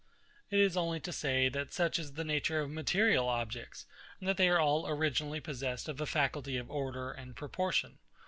It is only to say, that such is the nature of material objects, and that they are all originally possessed of a faculty of order and proportion.